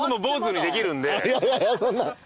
いやいやそんな。